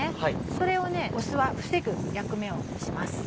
それを酢は防ぐ役目をします。